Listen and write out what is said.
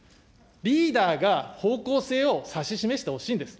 リーダーが方向性を指し示してほしいんです。